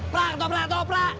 prak toprak toprak